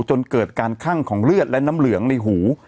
จนเกิดการคั่งของเลือดและน้ำเหลืองในหู